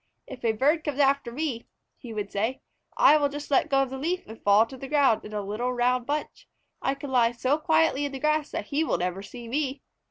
"If a bird comes after me," he would say, "I will just let go of the leaf and fall to the ground in a little round bunch. I can lie so quietly in the grass that he will never see me."